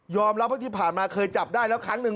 รับว่าที่ผ่านมาเคยจับได้แล้วครั้งหนึ่ง